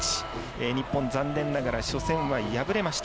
日本残念ながら初戦は破れました。